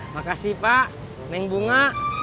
makasih pak neng bunga